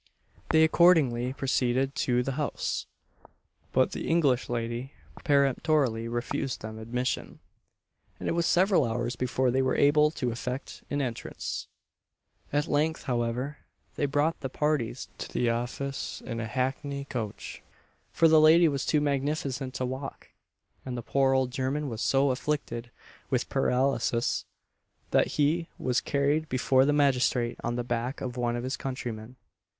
They accordingly proceeded to the house, but the English lady peremptorily refused them admission, and it was several hours before they were able to effect an entrance. At length, however, they brought the parties to the office in a hackney coach for the lady was too magnificent to walk, and the poor old German was so afflicted with paralysis, that he was carried before the magistrate on the back of one of his countrymen.